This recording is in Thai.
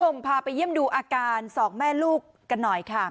พาไปเยี่ยมดูอาการสองแม่ลูกกันหน่อยค่ะ